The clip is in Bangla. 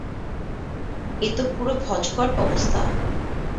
এ তো পুরো ভজঘট অবস্থা।